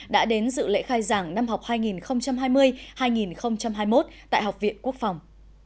đã đến dự lễ khai giảng năm học hai nghìn hai mươi hai nghìn hai mươi một tại học viện quốc phòng